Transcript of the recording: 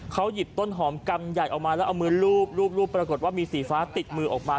เขาหยิบต้นหอมกำใหญ่ออกมาแล้วเอามือลูบปรากฏว่ามีสีฟ้าติดมือออกมา